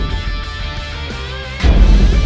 แกร่งจริง